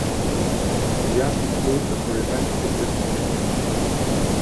The athlete quota per event is listed below.